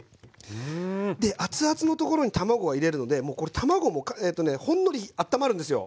でアツアツのところに卵を入れるのでもう卵もほんのりあったまるんですよ。